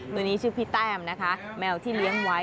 ตัวนี้ชื่อพี่แต้มนะคะแมวที่เลี้ยงไว้